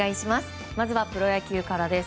まずはプロ野球からです。